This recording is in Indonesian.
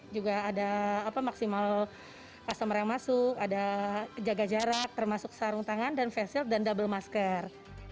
juga ada maksimal customer yang masuk ada jaga jarak termasuk sarung tangan dan face shield dan double masker